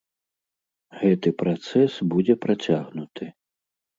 Гэты працэс будзе працягнуты.